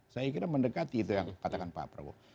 saya kira mendekati itu yang katakan pak prabowo